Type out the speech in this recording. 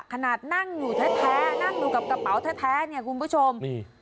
ขนาดนั่งอยู่แท้นั่งอยู่กับกระเป๋าแท้เนี่ยคุณผู้ชมนี่